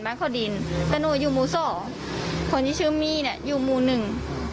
บ้านเข้าดินแต่หนูอยู่มูสองคนที่ชื่อมีเนี้ยอยู่มูหนึ่ง